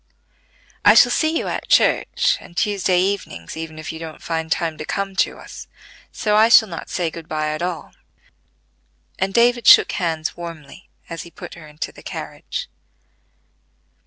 "I shall see you at church, and Tuesday evenings, even if you don't find time to come to us, so I shall not say good by at all;" and David shook hands warmly, as he put her into the carriage.